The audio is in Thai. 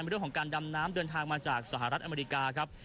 เรื่องของการดำน้ำเดินทางมาจากสหรัฐอเมริกาครับ